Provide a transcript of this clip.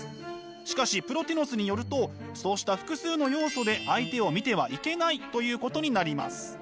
しかしプロティノスによるとそうした複数の要素で相手を見てはいけない！ということになります。